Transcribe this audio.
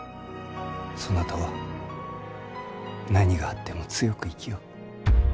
そなたは何があっても強く生きよ。